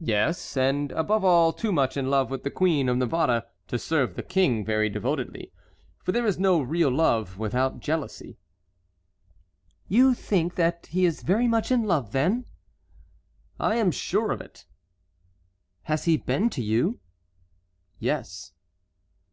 "Yes, and above all too much in love with the Queen of Navarre to serve the King very devotedly; for there is no real love without jealousy." "You think that he is very much in love, then?" "I am sure of it." "Has he been to you?" "Yes."